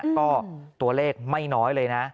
ก็ตัวเลขไม่น้อยเลยนะ